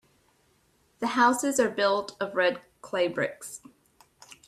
The houses are built of red clay bricks.